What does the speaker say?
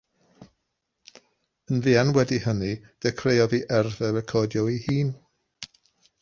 Yn fuan wedi hynny, dechreuodd ei yrfa recordio ei hun.